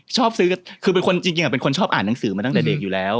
ชอบซื้อก็คือเป็นคนจริงเป็นคนชอบอ่านหนังสือมาตั้งแต่เด็กอยู่แล้ว